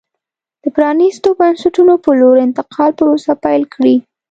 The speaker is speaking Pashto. د پرانېستو بنسټونو په لور انتقال پروسه پیل کړي.